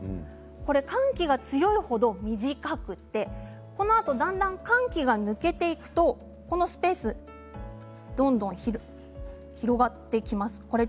寒気が強い程、短くてこのあとだんだん寒気が抜けていくとこのスペースがどんどん広がっていきます。